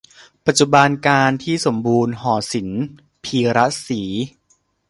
ปัจจุบันกาลที่สมบูรณ์ หอศิลป พีระศรี